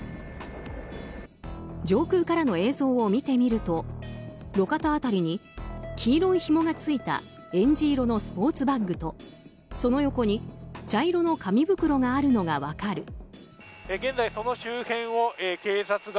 上空からの映像を見てみると路肩辺りに黄色いひもがついたえんじ色のスポーツバッグとその横に茶色の紙袋があるのが分かる。